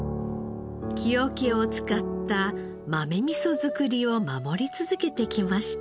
木桶を使った豆味噌造りを守り続けてきました。